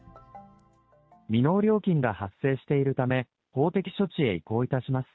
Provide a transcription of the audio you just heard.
未納料金が発生しているため、法的処置へ移行いたします。